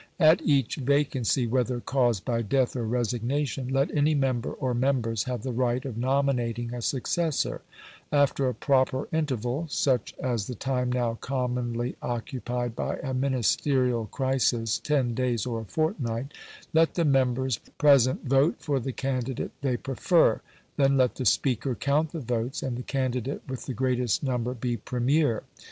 At each vacancy, whether caused by death or resignation, let any member or members have the right of nominating a successor; after a proper interval, such as the time now commonly occupied by a Ministerial crisis, ten days or a fortnight, let the members present vote for the candidate they prefer; then let the Speaker count the votes, and the candidate with the greatest number be Premier.